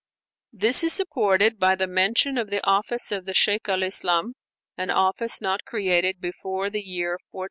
This is supported by the mention of the office of the Sheikh al Islam, an office not created before the year 1453.